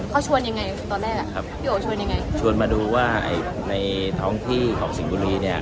เขาชวนยังไงตอนแรกครับพี่โอ๋ชวนยังไงชวนมาดูว่าไอ้ในท้องที่ของสิงห์บุรีเนี่ย